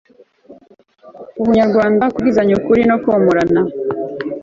ubunyarwanda kubwizanya ukuri no komorana